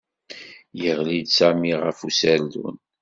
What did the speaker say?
Yeɣli-d Sami ɣef userdun.